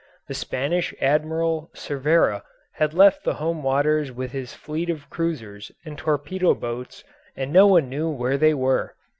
The Spanish Admiral Cervera had left the home waters with his fleet of cruisers and torpedo boats and no one knew where they were.